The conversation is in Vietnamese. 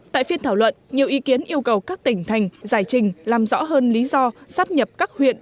tại phiên thảo luận nhiều ý kiến yêu cầu các tỉnh thành giải trình làm rõ hơn lý do sắp nhập các huyện